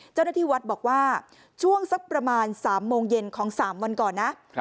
เจ้าหน้าที่วัดบอกว่าช่วงสักประมาณ๓โมงเย็นของ๓วันก่อนนะ